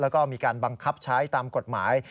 แล้วก็มีการบังคับใช้ตามกฎหมาย